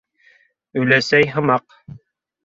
Өләсәй һымаҡ.